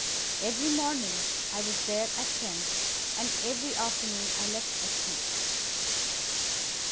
Every morning I was there at ten, and every afternoon I left at two.